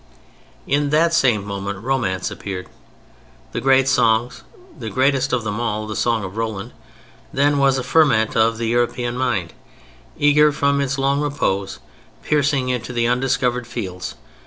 In that same moment romance appeared; the great songs: the greatest of them all, the Song of Roland; then was a ferment of the European mind, eager from its long repose, piercing into the undiscovered fields.